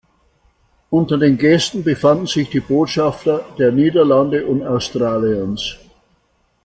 Unter den Gästen befanden sich die Botschafter der Niederlande und Australiens.